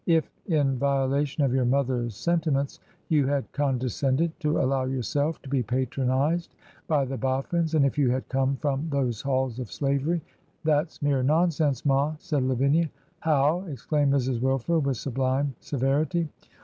If, in violation of your mother's sentiments, you had conde scended to allow yourself to be patronized by the Bof fins, and if you had come from those halls of slavery —' 'That's mere nonsense, ma,' said Lavinia. 'Howl' exclaimed Mrs. Wilfer, with sublime severity.